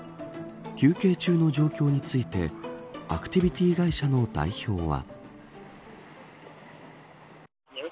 休憩中の状況についてアクティビティ会社の代表は。